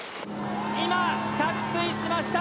今着水しました。